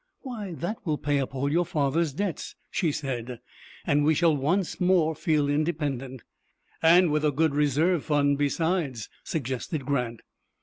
"Why, that will pay up all your father's debts," she said, "and we shall once more feel independent." "And with a good reserve fund besides," suggested Grant.